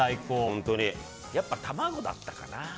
やっぱ卵だったかな。